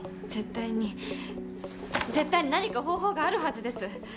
絶対に絶対に何か方法があるはずです。